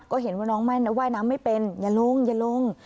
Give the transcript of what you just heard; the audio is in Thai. ก็เห็นว่าน้องว่ายน้ำไม่เป็นอย่าลงอย่าลง